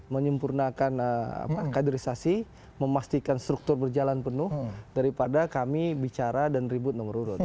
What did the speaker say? menyempurnakan kaderisasi memastikan struktur berjalan penuh daripada kami bicara dan ribut nomor urut